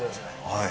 はい。